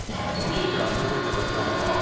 お兄ちゃんどこへ行ったか知らんか？